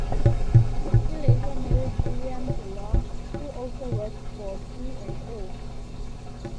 She later married William DeLong, who also worked for C and O.